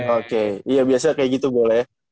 oke iya biasa kayak gitu boleh